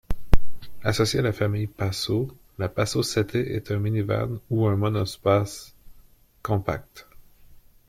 Associée à la famille Passo, la Passo Sette est un “minivan” ou monospace compact.